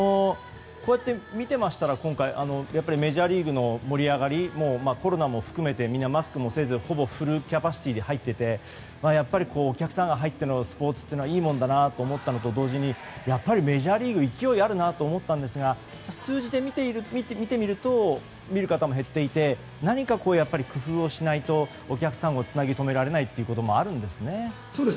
こうやって見ていましたらメジャーリーグの盛り上がりコロナも含めてみんなマスクもせずほぼフルキャパシティーで入っていてお客さんが入ってのスポーツとはいいものだと思ったと同時にやっぱりメジャーリーグ勢いあるなと思ったんですが数字で見てみると見る方も減っていて何か工夫をしないとお客さんをつなぎ留められないということがあるんですね。